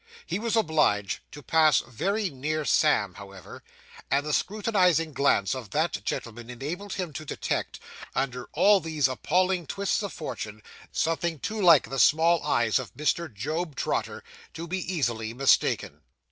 He was obliged to pass very near Sam, however, and the scrutinising glance of that gentleman enabled him to detect, under all these appalling twists of feature, something too like the small eyes of Mr. Job Trotter to be easily mistaken.